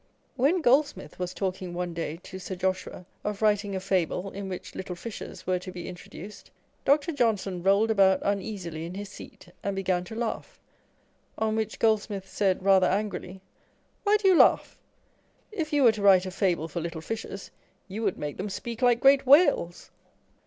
When Goldsmith was talking one day to Sir Joshua of writing a fable in which little fishes were to be introduced, Dr. Johnson rolled about uneasily in his seat and began to laugh, on which Goldsmith said rather angrily â€" " Why do you laugh ? If you were to write a fable for little fishes, you would make them speak like great whales